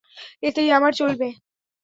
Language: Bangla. এতেই আমার চলবে।